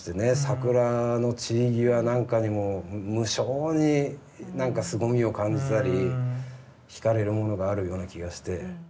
桜の散り際なんかにも無性になんかすごみを感じたりひかれるものがあるような気がして。